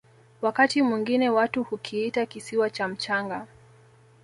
wakati mwingine watu hukiita kisiwa cha mchanga